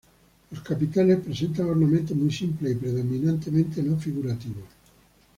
Los capiteles presentan ornamentos muy simples y predominantemente no figurativos.